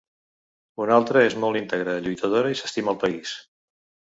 Una altra és molt íntegra, lluitadora i s’estima el país.